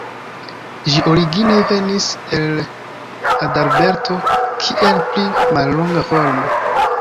Ĝi origine venis el Adalberto, kiel pli mallonga formo.